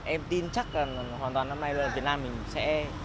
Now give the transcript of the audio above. em tin chắc hoàn toàn năm nay việt nam mình sẽ